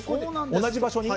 同じ場所に？